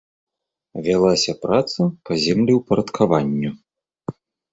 Вялася праца па землеўпарадкаванню.